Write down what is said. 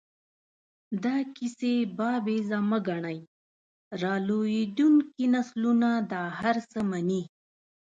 دا کیسې بابیزه مه ګڼئ، را لویېدونکي نسلونه دا هر څه مني.